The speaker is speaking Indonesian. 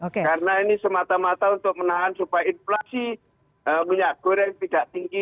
karena ini semata mata untuk menahan supaya inflasi minyak goreng tidak tinggi